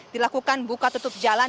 dilakukan buka tutup jalan